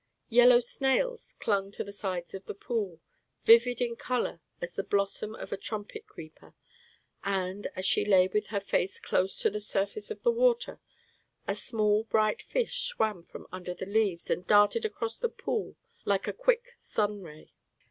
Yellow snails clung to the sides of the pool, vivid in color as the blossom of a trumpet creeper; and, as she lay with her face close to the surface of the water, a small, bright fish swam from under the leaves, and darted across the pool like a quick sun ray.